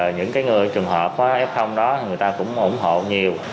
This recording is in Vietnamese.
những người trường hợp f đó người ta cũng ủng hộ nhiều